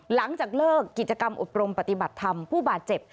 หลังจากเลิกกิจกรรมอบรมปฏิบัติธรรมผู้บาดเจ็บ